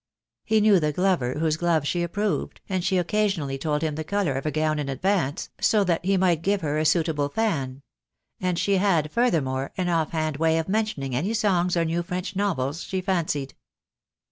He knew the glover whose gloves she approved, and she occasionally told him the colour of a gown in advance, so that he might give her a suitable fan; and she had, furthermore, an off hand way of men tioning any songs or new French novels she fancied.